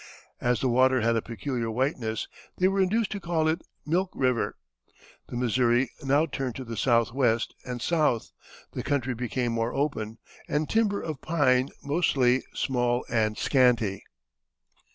As the water had a peculiar whiteness they were induced to call it Milk River. The Missouri now turned to the southwest and south, the country became more open, and timber, of pine mostly, small and scanty.